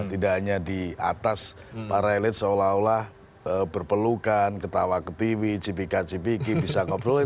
tidak hanya di atas para elit seolah olah berpelukan ketawa ketiwi cipika cipiki bisa ngobrol